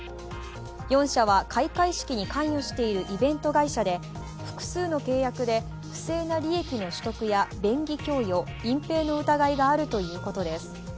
４社は開会式に関与しているイベント会社で複数の契約で不正な利益の取得や便宜供与、隠蔽の疑いがあるということです。